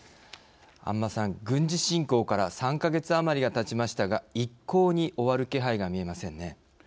安間さん、軍事侵攻から３か月余りが経ちましたが安間さん、軍事侵攻から一向に終わる気配が見えませんね。